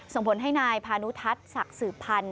ส่งผลให้นายพานุทัศน์ศักดิ์สืบพันธ์